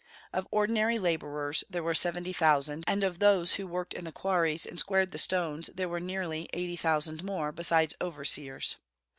Of ordinary laborers there were seventy thousand; and of those who worked in the quarries and squared the stones there were eighty thousand more, besides overseers.